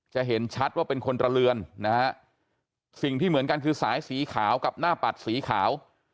เห็นชัดว่าเป็นคนตระเลือนนะฮะสิ่งที่เหมือนกันคือสายสีขาวกับหน้าปัดสีขาว